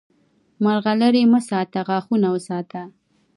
مرغلرې مه ساته، غاښونه وساته!